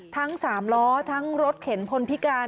ทั้ง๓ล้อทั้งรถเข็นพลพิการ